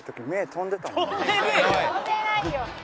飛んでないよ！